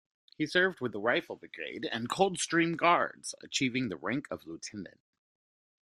He served with the Rifle Brigade and Coldstream Guards, achieving the rank of lieutenant.